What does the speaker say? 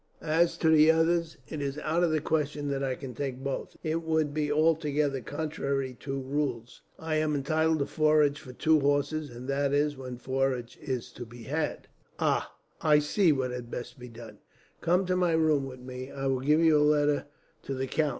As to the others, it is out of the question that I can take both. It would be altogether contrary to rules. I am entitled to forage for two horses that is, when forage is to be had. "Ah! I see what had best be done. Come to my room with me. I will give you a letter to the count."